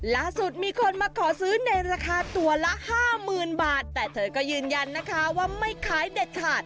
ล่าสุดมีคนมาขอซื้อในราคาตัวละห้าหมื่นบาทแต่เธอก็ยืนยันนะคะว่าไม่ขายเด็ดขาด